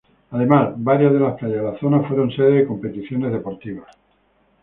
Además varias de las playas de la zona fueron sede de competiciones deportivas.